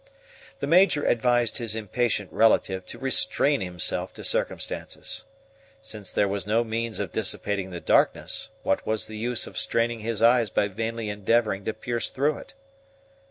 The Major advised his impatient relative to restrain himself to circumstances. Since there was no means of dissipating the darkness, what was the use of straining his eyes by vainly endeavoring to pierce through it.